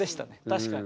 確かに。